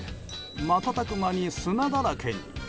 瞬く間に砂だらけに。